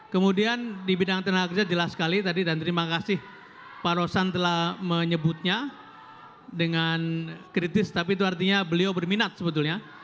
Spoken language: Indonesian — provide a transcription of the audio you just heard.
kemudian di bidang tenaga kerja jelas sekali tadi dan terima kasih pak rosan telah menyebutnya dengan kritis tapi itu artinya beliau berminat sebetulnya